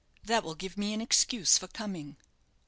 That will give me an excuse for coming."